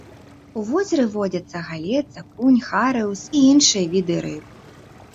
У возеры водзяцца галец, акунь, харыус і іншыя віды рыб.